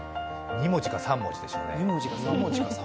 ２文字か３文字でしょうね。